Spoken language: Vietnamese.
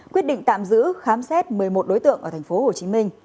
quyết định tạm giữ khám xét một mươi một đối tượng ở tp hcm